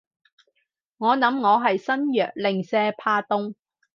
我諗係我身弱，零舍怕凍